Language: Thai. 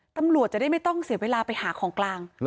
ตำรวจจะได้ไม่ต้องเสียเวลาไปหาของกลาง